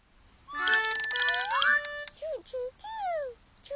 はい！